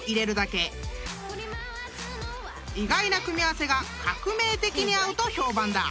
［意外な組み合わせが革命的に合うと評判だ］